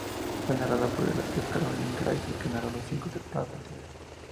Fue narrada por la actriz Caroline Craig, que narró las cinco temporadas anteriores.